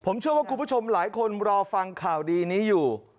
ผมเชื่อว่าคุณผู้ชมหลายคนรอฟังข่าวดีนี้อยู่